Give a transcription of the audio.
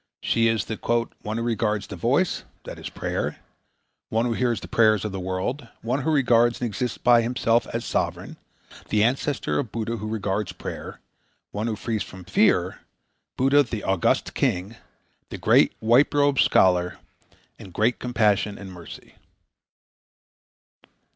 She is the "one who regards the voice," i.e., prayer; "one who hears the prayers of the world;" "one who regards and exists by himself as sovereign;" "the ancestor of Buddha who regards prayer;" "one who frees from fear;" "Buddha the august king;" "the great white robed scholar;" "great compassion and mercy."